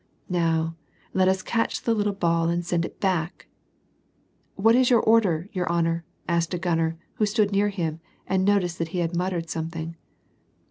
" Now let us catch the little ball and send it back !" "What is your order, your honor? "asked a gunner who stood near him, and noticed that he muttered something.